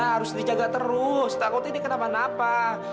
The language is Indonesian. harus dijaga terus takut ini kena mana apa